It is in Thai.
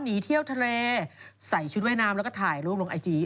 หนีเที่ยวทะเลใส่ชุดว่ายน้ำแล้วก็ถ่ายรูปลงไอจี